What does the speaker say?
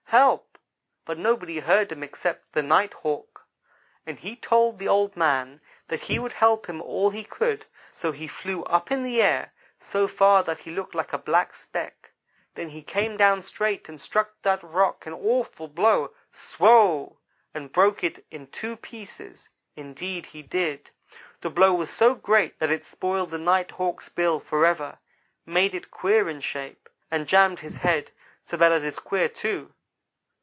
Help!' but nobody heard him except the Night hawk, and he told the Old man that he would help him all he could; so he flew away up in the air so far that he looked like a black speck. Then he came down straight and struck that rock an awful blow 'swow!' and broke it in two pieces. Indeed he did. The blow was so great that it spoiled the Night hawk's bill, forever made it queer in shape, and jammed his head, so that it is queer, too.